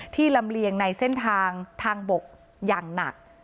ลำเลียงในเส้นทางทางบกอย่างหนัก